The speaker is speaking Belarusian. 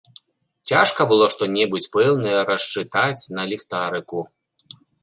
Цяжка было што-небудзь пэўнае расчытаць на ліхтарыку.